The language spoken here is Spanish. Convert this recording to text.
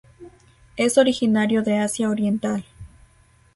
Es originario de Asia oriental.